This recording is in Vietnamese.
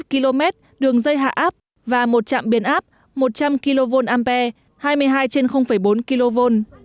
một hai mươi một km đường dây hạ áp và một trạm biển áp một trăm linh kva hai mươi hai trên bốn kv